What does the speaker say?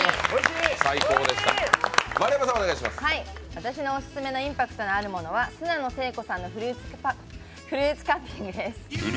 私のおすすめのインパクトがあるものは砂野聖子さんのフルーツカービングです。